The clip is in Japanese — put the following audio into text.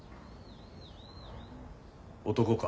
男か？